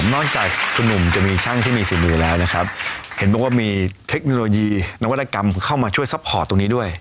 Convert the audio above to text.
นอกจากคุณหนุ่มจะมีช่างที่มีฝีมือแล้วนะครับเห็นบอกว่ามีเทคโนโลยีนวัตกรรมเข้ามาช่วยซัพพอร์ตตรงนี้ด้วย